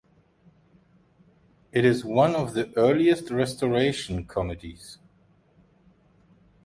It is one of the earliest Restoration Comedies.